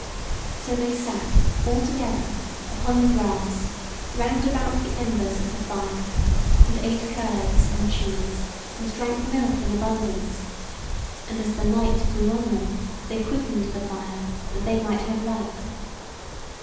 So they sat all together upon the grass round about the embers of the fire, and ate curds and cheese, and drank milk in abundance; and as the night grew on them they quickened the fire, that they might have light.